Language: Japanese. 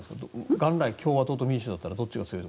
元来、共和党と民主党だったらどっちが強い？